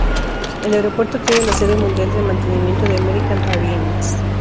El aeropuerto tiene la sede mundial de mantenimiento de American Airlines.